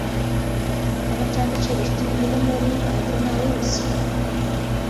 هغه چا ته چې رښتینی علم لري باید درناوی وسي.